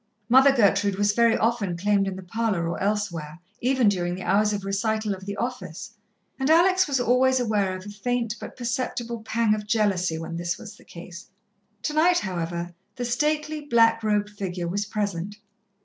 Mother Gertrude was very often claimed in the parlour or elsewhere, even during the hours of recital of the Office, and Alex was always aware of a faint but perceptible pang of jealousy when this was the case. Tonight, however, the stately black robed figure was present.